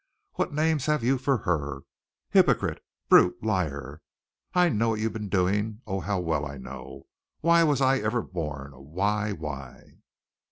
What names have you for her, Hypocrite! Brute! Liar! I know what you've been doing. Oh, how well I know! Why was I ever born? oh, why, why?"